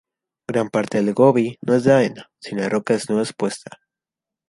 Gran parte del Gobi no es de arena, sino de roca desnuda expuesta.